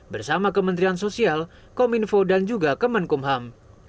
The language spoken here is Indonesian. bersama kementerian sosial kominfo dan juga kemenkumham